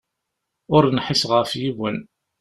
Ur nḥiseɣ ɣef yiwen!